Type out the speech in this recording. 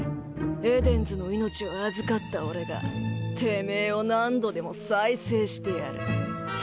エデンズの命を預かった俺がてめぇを何度でも再生してやる。